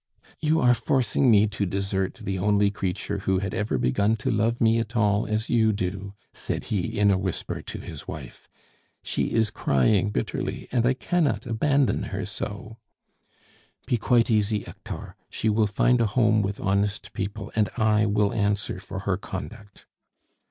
"You are forcing me to desert the only creature who had ever begun to love me at all as you do!" said he in a whisper to his wife. "She is crying bitterly, and I cannot abandon her so " "Be quite easy, Hector. She will find a home with honest people, and I will answer for her conduct."